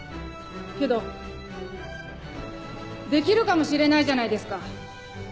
けどできるかもしれないじゃないですか。